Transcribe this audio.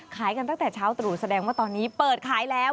ขายกันตั้งแต่เช้าตรู่แสดงว่าตอนนี้เปิดขายแล้ว